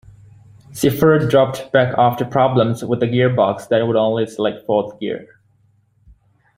Siffert dropped back after problems with a gearbox that would only select fourth gear.